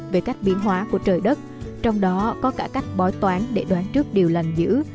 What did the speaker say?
về cách biến hóa của trời đất trong đó có cả cách bói toán để đoán trước điều lành dữ